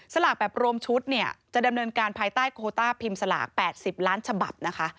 สลากแบบรวมชุดเนี่ยจะดำเนินการภายใต้โคต้าพิมพ์สลาก๘๐ล้านฉบับนะคะ